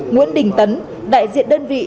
nguyễn đình tấn đại diện đơn vị